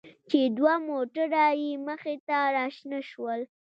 چې دوه موټره يې مخې ته راشنه شول.